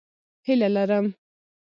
هیله لرم